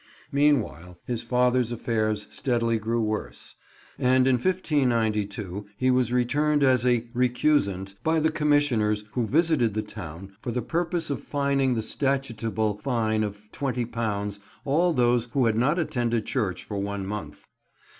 Meanwhile, his father's affairs steadily grew worse, and in 1592 he was returned as a "recusant" by the commissioners who visited the town for the purpose of fining the statutable fine of £20 all those who had not attended church for one month.